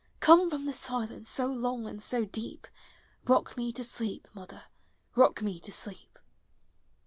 Come from the silence so long and so deep; — Kock me to sleep, mother, — rock me to sleep!